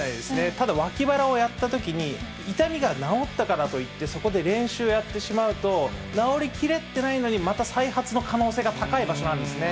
ただ、脇腹をやったときに痛みが治ったからといって、そこで練習やってしまうと、治りきれてないのにまた再発の可能性が高い場所なんですね。